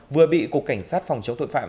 vừa bị cục cảnh sát phòng chống thuận phạm